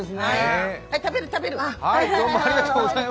はい、食べる、食べる。